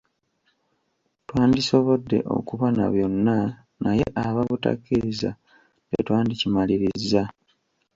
Twandisobodde okuba na byonna naye aba butakkiriza tetwandikimalirizza.